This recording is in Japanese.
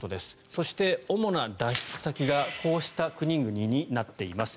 そして、主な脱出先がこうした国々になっています。